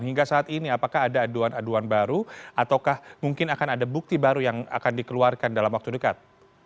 hingga saat ini apakah ada aduan aduan baru ataukah mungkin akan ada bukti baru yang akan dikeluarkan dalam waktu dekat